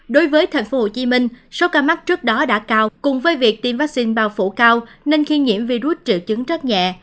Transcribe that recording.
đối với tp hcm số ca mắc trước đó đã cao cùng với việc tiêm vaccine bao phủ cao nên khi nhiễm virus triệu chứng rất nhẹ